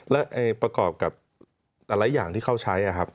และประกอบกับแต่ละอย่างที่เขาใช้ครับ